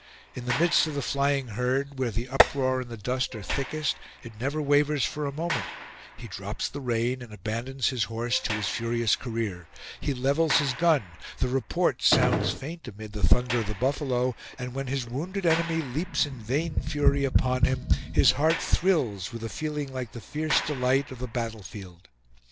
In the midst of the flying herd, where the uproar and the dust are thickest, it never wavers for a moment; he drops the rein and abandons his horse to his furious career; he levels his gun, the report sounds faint amid the thunder of the buffalo; and when his wounded enemy leaps in vain fury upon him, his heart thrills with a feeling like the fierce delight of the battlefield.